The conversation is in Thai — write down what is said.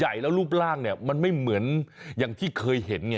ใหญ่แล้วรูปร่างเนี่ยมันไม่เหมือนอย่างที่เคยเห็นไง